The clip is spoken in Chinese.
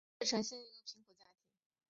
谢臣生在易县一个贫苦农民家庭。